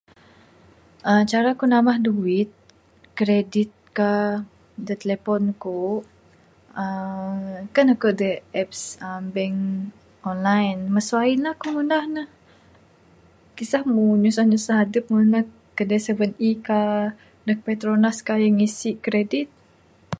uhh Cara ku' nambah duit, kreditkah, da telepon ku', uhh kan aku' aduh apps, uhh bank online. Masu a'in, la ku' ngundah ne. Kasah mu nyusah nyusah adup nak kedai seven ee kah, ndug Petronas kah ngisi' kredit.